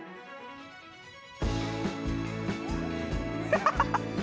ハハハハ！